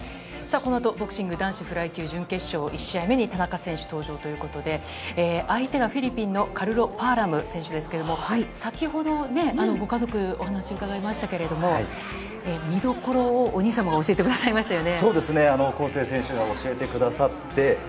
この後、ボクシング男子フライ級準決勝１試合目に田中選手登場ということで、相手がフィリピンのカルロ・パアラム選手ですが、先ほどご家族にお話を伺えましたけれども、見どころをお兄様が教えてくださいましたよね。